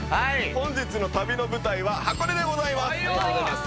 本日の旅の舞台は箱根でございます。